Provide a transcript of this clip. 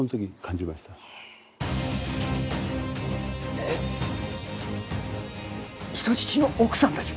えっ、人質の奥さんたちを？